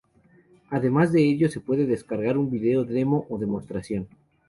Además de ello se puede descargar un vídeo Demo, o de demostración.